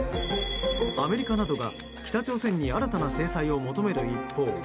アメリカなどが北朝鮮に新たな制裁を求める一方